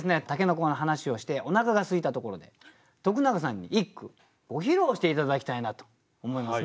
筍の話をしておなかがすいたところで徳永さんに一句ご披露して頂きたいなと思いますね。